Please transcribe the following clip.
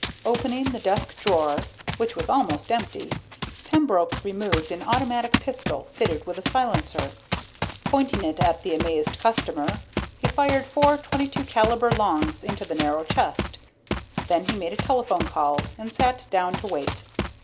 Opening the desk drawer, which was almost empty, Pembroke removed an automatic pistol fitted with a silencer. Pointing it at the amazed customer, he fired four .22 caliber longs into the narrow chest. Then he made a telephone call and sat down to wait.